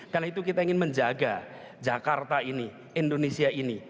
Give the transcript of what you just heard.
karena itu kita ingin menjaga jakarta ini indonesia ini